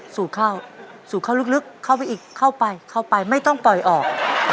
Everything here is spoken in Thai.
สูดเข้าสูดเข้าลึกเข้าไปอีกเข้าไปเข้าไปไม่ต้องปล่อยออก